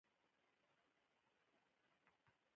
افغانستان کې د چار مغز لپاره دپرمختیا ځانګړي پروګرامونه شته.